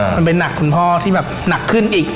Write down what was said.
มันเป็นหนักคุณพ่อที่แบบหนักขึ้นอีก